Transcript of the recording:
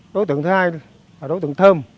đối tượng thứ hai là đối tượng thơm